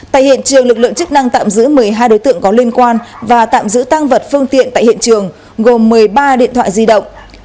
tại hiện trường lực lượng chức năng tạm giữ một mươi hai đối tượng có liên quan và tạm giữ tăng vật phương tiện tại hiện trường gồm một mươi ba điện thoại di động